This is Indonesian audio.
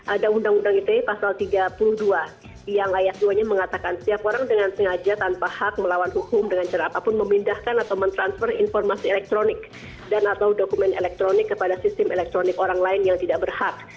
ada undang undang ite pasal tiga puluh dua yang ayat dua nya mengatakan setiap orang dengan sengaja tanpa hak melawan hukum dengan cara apapun memindahkan atau mentransfer informasi elektronik dan atau dokumen elektronik kepada sistem elektronik orang lain yang tidak berhak